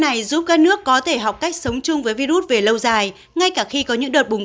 này giúp các nước có thể học cách sống chung với virus về lâu dài ngay cả khi có những đợt bùng